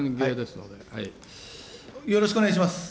よろしくお願いします。